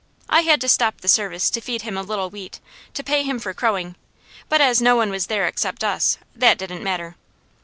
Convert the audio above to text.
I had to stop the service to feed him a little wheat, to pay him for crowing; but as no one was there except us, that didn't matter.